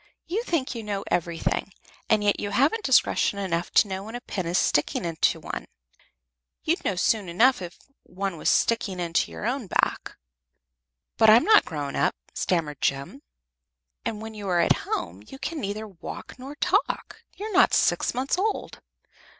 You think you know everything, and yet you haven't discretion enough to know when a pin is sticking into one. You'd know soon enough if you had one sticking into your own back." "But I'm not grown up," stammered Jem; "and when you are at home you can neither walk nor talk. You're not six months old."